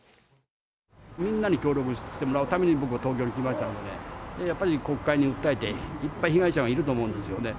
みんなに協力してもらうために、僕は東京に来ましたので、やっぱり国会に訴えて、いっぱい被害者がいると思うんですよね。